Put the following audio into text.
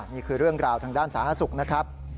นี่คือเรื่องราวทางด้านสาธารณสุขนะครับ